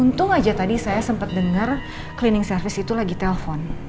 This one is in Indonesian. untung aja tadi saya sempat dengar cleaning service itu lagi telpon